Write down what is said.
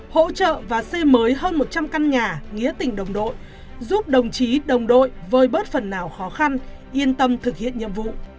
hỗ trợ và xây mới hơn một trăm linh căn nhà nghĩa tình đồng đội giúp đồng chí đồng đội vơi bớt phần nào khó khăn yên tâm thực hiện nhiệm vụ